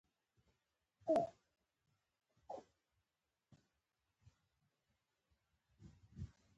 اسمان لږ شین شوی دی .